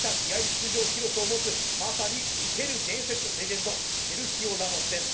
出場記録を持つまさに生ける伝説レジェンドセルヒオ・ラモスです